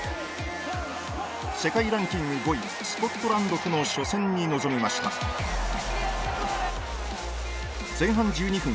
世界ランキング５位スコットランドとの初戦に臨みました前半１２分。